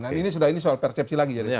nah ini sudah ini soal persepsi lagi